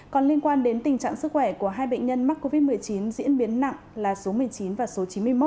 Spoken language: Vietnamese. còn liên quan đến tình trạng sức khỏe của hai bệnh nhân mắc covid một mươi chín diễn biến nặng là số một mươi chín và số chín mươi một